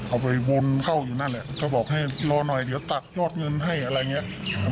ไปวนเข้าอยู่นั่นแหละก็บอกให้รอหน่อยเดี๋ยวตักยอดเงินให้อะไรอย่างนี้